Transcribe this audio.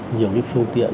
nhiều cái phương tiện